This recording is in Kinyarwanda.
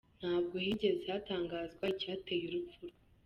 Ntabwo higeze hatangazwa icyateye urupfu rwe.